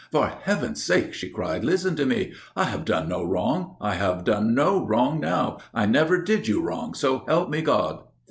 "For Heaven's sake," she cried, "listen to me! I have done no wrong. I have done no wrong now I never did you wrong, so help me God!"